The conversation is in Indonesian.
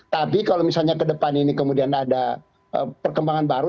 tapi kalau misalnya ke depan ini kemudian ada perkembangan baru